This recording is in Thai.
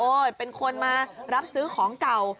เป็นคนมารับซื้อของเก่า